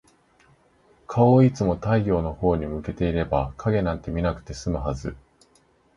顔をいつも太陽のほうに向けていれば、影なんて見なくて済むはず。